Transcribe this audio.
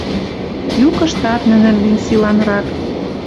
Юкыштат нӹнӹн лин силанрак.